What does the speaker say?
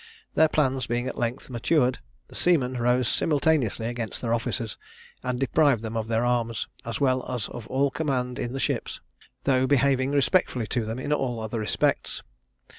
Their plans being at length matured, the seamen rose simultaneously against their officers, and deprived them of their arms, as well as of all command in the ships, though behaving respectfully to them in all other respects.